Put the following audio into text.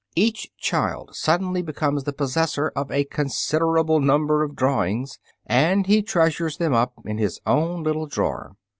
Each child suddenly becomes the possessor of a considerable number of drawings, and he treasures them up in his own little drawer.